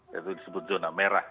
ya itu disebut zona merah